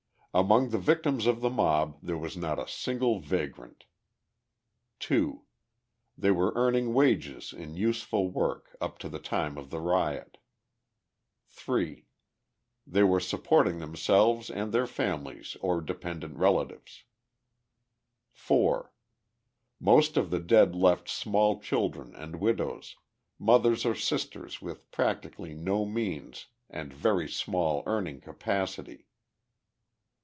Among the victims of the mob there was not a single vagrant. 2. They were earning wages in useful work up to the time of the riot. 3. They were supporting themselves and their families or dependent relatives. 4. Most of the dead left small children and widows, mothers or sisters with practically no means and very small earning capacity.